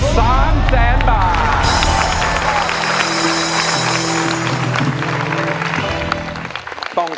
ต้องเวลาด้วยนะครับ